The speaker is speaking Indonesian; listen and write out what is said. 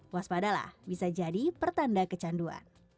waspadalah bisa jadi pertanda kecanduan